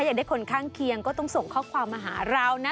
อยากได้คนข้างเคียงก็ต้องส่งข้อความมาหาเรานะ